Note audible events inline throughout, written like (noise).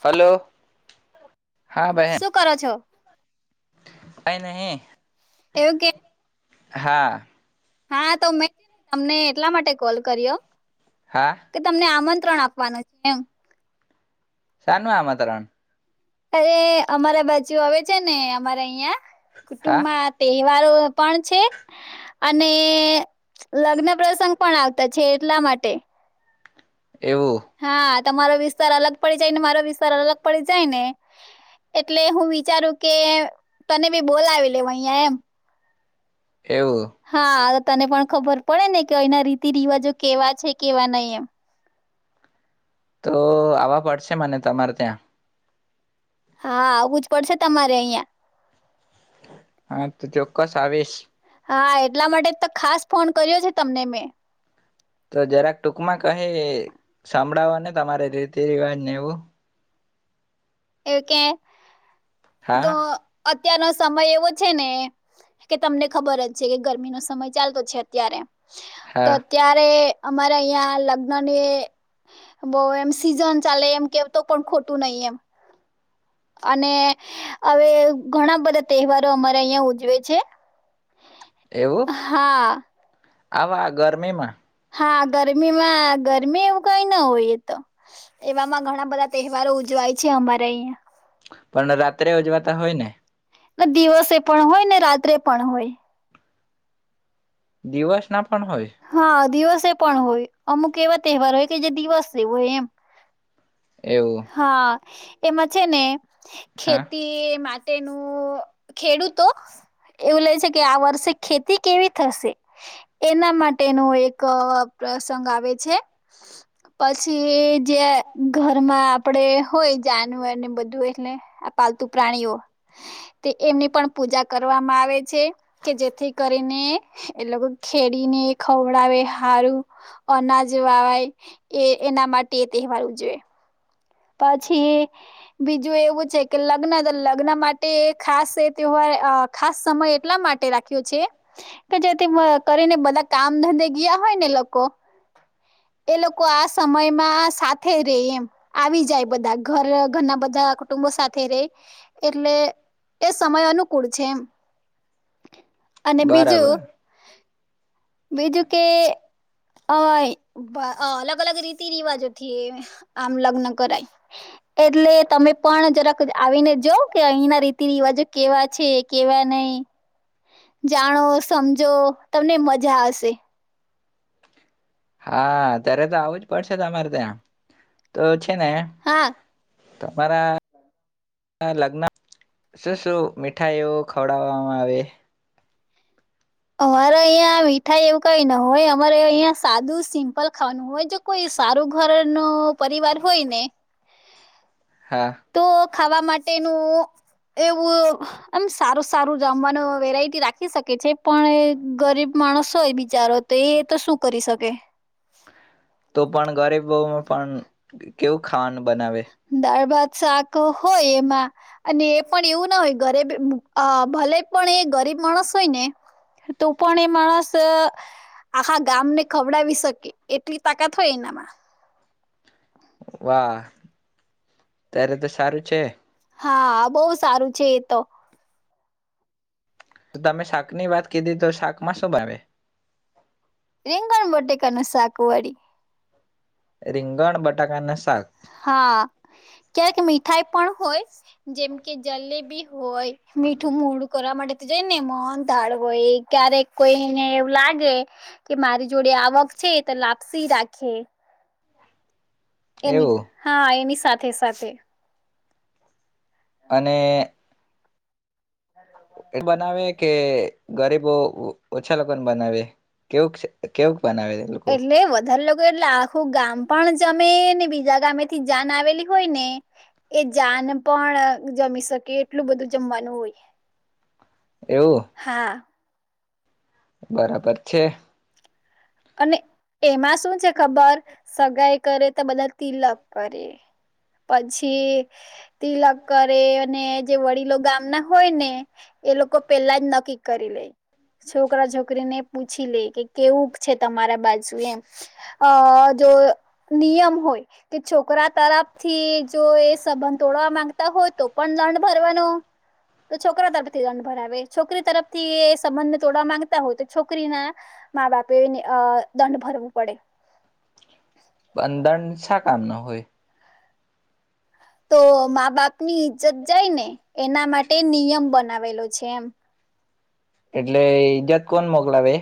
Hello. શું કરો છો. પ નહી. એવું કે હા. હા તો મે. તમને એટલા માટે. કોલ કરી્યો. હા કે તમને આમંત્ર. ત્રણ આપવાનું છે એમ. શનું આમાં તણ. અરે અમારા બાચુ આવે છે ને અમારે અહિયાં. હા કુટુંબ તે. તવારો પણ છે અને. લગ્ન પ્રસંગ. પણ આવતા છે એટલા માટે. એવું. હા તમારો વિસ્તાર અલગ પડી જાય ને મારો વિસ્તાર અલગ પડી જાય ને એટલે હું વિચારું કે તને બી બોલાવી લેવ અહિયાં એમ. એવું હા. તને પણ ખબર પડે ને કે અના રીતિ રિવાજો કેવા છે કેવા નહીં એમ. તો આવવા પડશે મને તમારે ત્યાં. હા આવું જ પડશે તમારે અહિયાં. હા તો ચોક્કસ આવેશ. હા એટલા માટે તો ખાસ ફોન કર્યો છે તમને મેં. તો જરાક ટૂંકમાં કઈ સંભળાવો ને તમારે રીતિ રિવાજ ને એવું. એવ કે? હા તો અત્યારનો સમય એવો છે ને કે, તમને ખબર જ છે કે ગરમીનો સમય ચાલતો છે અત્યારે. તો હા અત્યારે અમારે અહીંયા લગ્નની, બહુ એમ સીઝન ચાલે એમ કેતો પણ ખોટું નહી એમ. અને, હવે ઘણા બધા તહેવારો અમારા અહિયાં ઉજવે છે. એવું હા. આવા આ ગરમીમાં? હા ગરમીમાં ગરમી એવું કઈ ના હોયએ તો, એવામાં ઘણા બધા તહેવારો ઉજવાય છે અમારે અહિયા. પણ રાત્રે ઉજવાતા હોય ને? દિવસે પણ હોય ને રાત્રે પણ હોય. દિવસ ના પણ હોય હા દિવસ પણ હોય, અમુક એવા તહેવાર હોય કે જે દિવસે હોય એમ. એવું. હા એમાં છે ને હા ખેતી તેનું ખેડૂતો, એવું લે છે કે આ વર્ષે ખેતી કેવી થશે, એના માટેનું એક પ્રસંગ આવે છે. પછી જે ઘર ઘમાં આપડે હોય જાનવર ને બધું એટલે આ પાલતુ પ્રાણીઓ તે એમની પણ પૂજા કરવામાં આવે છે કે જેથી કરીને એ લોકો ખેડીને ખવડાવે હારું અનાજ વાવાય એ એના માટે એ તહેવાર ઉજવે પછી બીજું એવું છે કે લગ્ન લગ્ન માટે ખાસ એ તહેવાર ખાસ સમય એટલા માટે રા છે કે જેથી કરીને બધા કામ ધંધે ગીયા હોય ને લોકો એ લોકો આ સમયમાં સાથે રેય એમ આવી જાય બધા ઘર ઘરના બધા કુટુંબો સાથે રેય એટલે એ સમય અનુકૂળ છે એમ અને બીજું બરાબર બીજું કે અ અલગ અલગ રીતિ રિવાજોથી આ લગ્ન કરાય એટલે તમે પણ જરાક આવીને જો કે અહીંના રીતિ રિવાજો કેવા છે કેવા નઈ જાણો સમજો તમને મજા આવ શે હા અત્યારે તો આવું જ પડશે તમારે ત્યાં તો હા (unintelligible) તમારા લગ્ન શું શું મીઠાઈઓ ખવડાવવામાં આવે અમારે અહિયાં મીઠાઈ એવું કઈ ન હોય અમારે અહિયાં સાદું સિમ્પલ ખાવાનું હોય જો કોઈ સારું ઘર નો પરિવાર હોય ને હા તો ખાવા માટેનું એવું આમ સારું સારું જમવાનું વેરાયટી રાખી શકે છે પણ ગરીબ માણસ હોય બિચારો તો એ તો શું કરી શકે તો પણ ગરીબ પણ કેવું ખાવાનુ દાળ ભાત શાક હોય એમાં અને એ પણ એવું ન હોય ગરીબ આ ભલે પણ એ ગરીબ માણસ હોય ને તો પણ એ માણસ અ આખા ગામને ખવડાવી શકે એટલી તાકાત હોય એના મા વાહ ત્યારે તો સારું છે હા બહુ સારું છે એ તો તમે શાક ની વાત કીધી તો શાક માં શું ભાવે રીંગણ બટેકાનું શાકવળી રીંગણ બટાકાના શાક હા ક્યારેક મીઠાઈ પણ હોય જેમ કે જલેબી હોય મીઠું મોડું કરવા માટે તો જઈ ને મોહન થાળ હોય ક્યારેક કોઈને એવું લાગે કે મારી જોડે આવક છે તો લાપસી રાખે. એની એવું હા એની સાથે સાથે સાથે. અને. એ બનાવે કે ગરીબો. ઓછા લોકોને બનાવે કેવુક છે કેવુ એટલે વધારે લોકો. એટલે આખું ગામ પણ જમેને બીજા ગામેથી જાન આવેલી હોય ને એ જાન પણ જમી શકે એટલું બધું જમવાનું હોય. એવું હા. બરાબર છે. અને એમાં શું છે ખબર સગાઈ કરે તો બધા તિલક કરે પછી તિલક કરે અને જે વડીલો ગામના હોય ને એ લોકો પેલા જ નક્કી કરી લે છોકરા છોકરીને પૂછી લે કે કેવું. છે તમારા બાજુ એમ અ જો નિયમ હોય કે છોકરા તરફથી જો એ સંબંધ તોડવા માંગતા હોય તો પણ દંડ ભરવાનો તો છોકરા તરફથી દંડ ભરાવે છોકરી તરફથી એ સંબંધ તોડવા માંગતા હોય તો છોકરી ના મા બાપ. અ દંડ ભરવું પડે. પણ દંડ શા કામ નો. હોય. તો મા બાપ ની ઈજ્જત જાય ને. એના માટે નિયમ બનાવેલો છે. પછી એમ. એટલે ઈજત કોણ મોકલાવે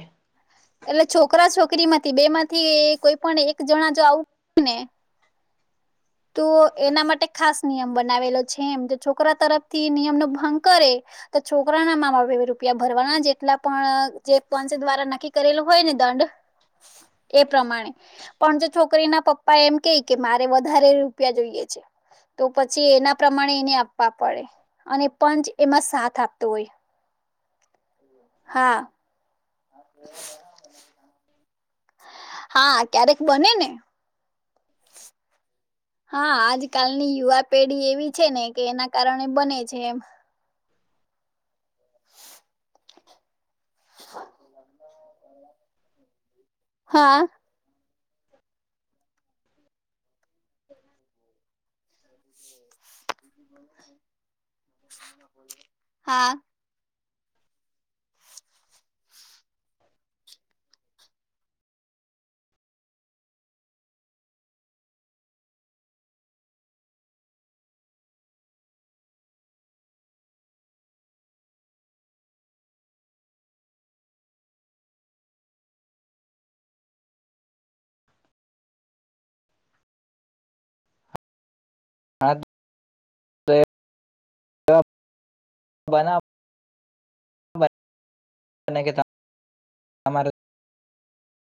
એટલે છોકરા છોકરીમાં. થી બે માંથી કોઈ પણ એક જણા જો આવું ને. તો એના માટે ખાસ. નિયમ બનાવેલો છે એમ છોકરા તરફથી નિયમ નો ભંગ કરે તો છોકરાના મામા રૂપિયા ભરવાના જેટલા પણ જે પંચ દ્વારા નક્કી કરેલો હોય ને દંડ એ પ્રમાણે પણ જો છોકરીના પપ્પા એમ કહી કે મારે. વધારે રૂપિયા જોઈએ છે તો પછી એના પ્રમાણે એને આપવા પડે અને પંચ એમાં સાથ આપતો હોય. હા હા ક્યારેક બને ને હા આજકાલની યુવા પેઢી એવી છે ને કે એના કારણે બને છે એમ. લ. હા. હા. હા તો બના તમારે.